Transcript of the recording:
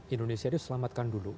indonesia itu selamatkan dulu